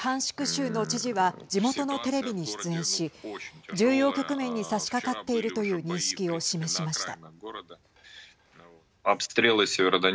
州の知事は地元のテレビに出演し重要局面にさしかかっているという認識を示しました。